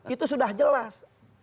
itu sudah jelas